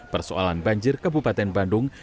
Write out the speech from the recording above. persoalan banjir kabupaten bandung